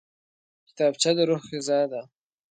کتابچه د روح غذا ده